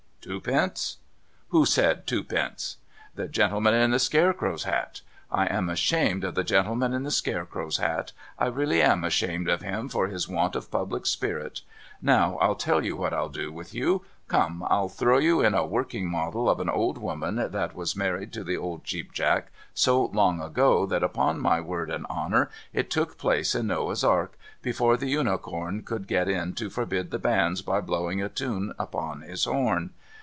Twopence ? Who said twopence ? The gentleman in the scarecrow's hat ? I am ashamed of the gentleman in the scarecrow's hat. I really am ashamed of him for his want of public spirit. Now I'll tell you what I'll do with you. Come ! I'll throw you in a working model of a old woman that was married to the old Cheap Jack so long ago that upon my word and honour it took place in Noah's Ark, before the Unicorn could get in to forbid the banns by blowing a tune upon his horn.